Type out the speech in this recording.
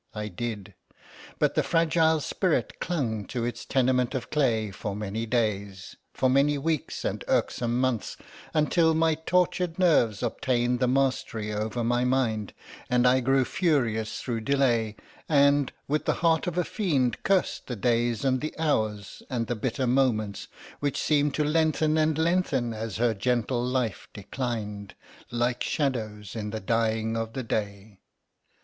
I did; but the fragile spirit clung to its tenement of clay for many days—for many weeks and irksome months, until my tortured nerves obtained the mastery over my mind, and I grew furious through delay, and, with the heart of a fiend, cursed the days and the hours and the bitter moments, which seemed to lengthen and lengthen as her gentle life declined—like shadows in the dying of the day.